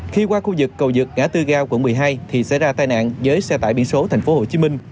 khi qua khu vực cầu dựt ngã tư ga quận một mươi hai thì xảy ra tai nạn với xe tải biển số tp hcm